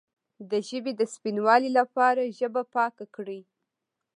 د ژبې د سپینوالي لپاره ژبه پاکه کړئ